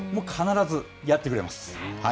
必ずやってくれます。